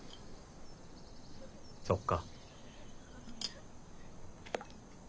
そっか。